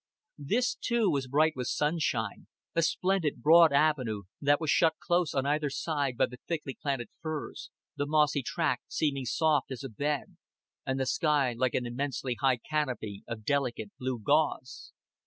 This too was bright with sunshine, a splendid broad avenue that was shut close on either side by the thickly planted firs; the mossy track seeming soft as a bed, and the sky like an immensely high canopy of delicate blue gauze.